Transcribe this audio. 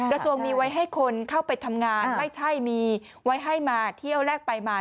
กระทรวงมีไว้ให้คนเข้าไปทำงานไม่ใช่มีไว้ให้มาเที่ยวแรกไปมา